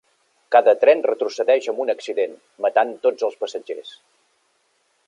Cada tren retrocedeix amb un accident, matant a tots els passatgers.